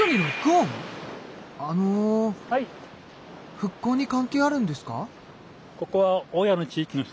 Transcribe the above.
復興に関係あるんですか？